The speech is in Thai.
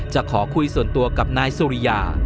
จะขอคุยส่วนตัวกับนายสุริยา